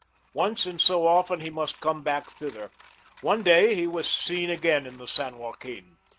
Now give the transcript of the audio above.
Once in so often he must come back thither. One day he was seen again in the San Joaquin.